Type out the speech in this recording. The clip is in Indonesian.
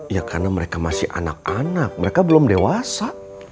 ya karena mereka masih anak anak mereka belum dewasa